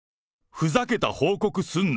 ふざけた報告すんな！